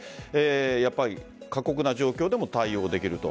やっぱり過酷な状況でも対応できると。